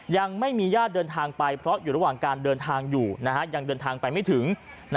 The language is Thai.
ยังไม่มีญาติเดินทางไปเพราะอยู่ระหว่างการเดินทางอยู่ยังเดินทางไปไม่ถึง